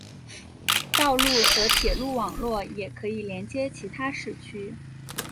道路和铁路网络也可以连接其他市区。